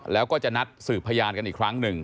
แล้วก็จะนัดสืบพยานกันอีกครั้งหนึ่ง